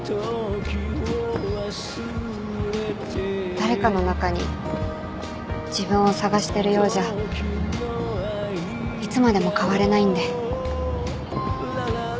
誰かの中に自分を探してるようじゃいつまでも変われないんで。